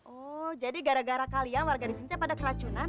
oh jadi gara gara kalian organismnya pada keracunan